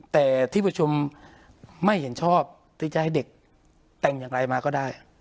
แต่ที่ประชุมไม่เห็นชอบที่จะให้เด็กแต่งอย่างไรมาก็ได้